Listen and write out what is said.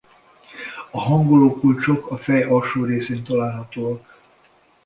A hangolókulcsok a fej alsó részén találhatóak.